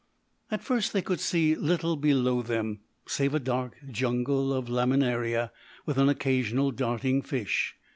At first they could see little below them, save a dark jungle of laminaria, with an occasional darting fish.